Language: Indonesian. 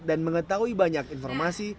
dan mengetahui banyak informasi